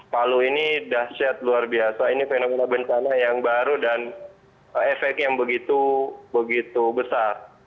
palu ini dahsyat luar biasa ini fenomena bencana yang baru dan efek yang begitu besar